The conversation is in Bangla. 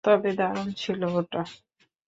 তবে দারুণ ছিলো ওটা।